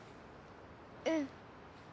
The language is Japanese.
うん。